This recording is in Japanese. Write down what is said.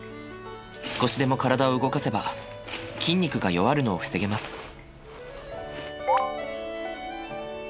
少しでも体を動かせば筋肉が弱るのを防げます。